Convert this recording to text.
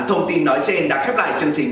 thông tin nói trên đã khép lại chương trình